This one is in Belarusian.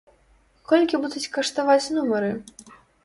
Колькі будуць каштаваць нумары?